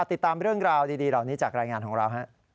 ติดตามเรื่องราวดีเหล่านี้จากรายงานของเรา